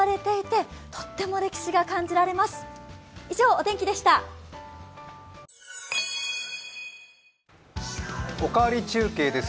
「おかわり中継」です。